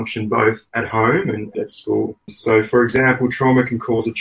jadi ini dapat mengimpakkan bagaimana mereka berfungsi di rumah dan di sekolah